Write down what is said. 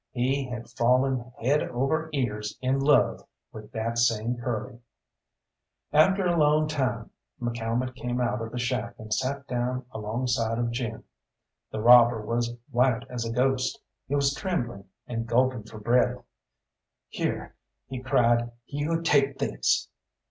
He had fallen head over ears in love with that same Curly. After a long time McCalmont came out of the shack and sat down alongside of Jim. The robber was white as a ghost; he was trembling and gulping for breath. "Here," he cried, "you take this."